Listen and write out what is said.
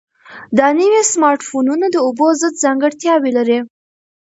دا نوي سمارټ فونونه د اوبو ضد ځانګړتیاوې لري.